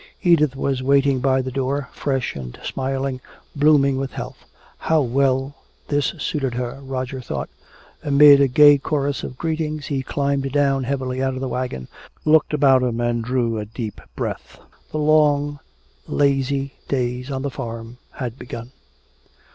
Edith was waiting by the door, fresh and smiling, blooming with health. How well this suited her, Roger thought. Amid a gay chorus of greetings he climbed down heavily out of the wagon, looked about him and drew a deep breath. The long lazy days on the farm had begun.